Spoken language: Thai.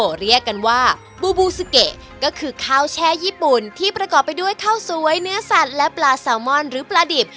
เรียกกันว่าบูบูซูเกะก็คือข้าวแช่ญี่ปุ่นที่ประกอบไปด้วยข้าวสวยเนื้อสัตว์และปลาแซลมอนหรือปลาดิบ